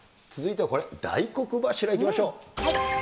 続いてはこれ、大黒柱いきましょう。